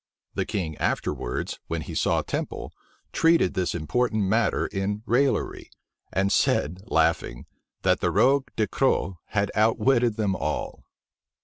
The king afterwards, when he saw Temple, treated this important matter in raillery; and said, laughing, that the rogue Du Cros had outwitted them all.